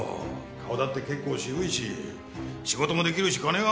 顔だって結構渋いし仕事も出来るし金がある。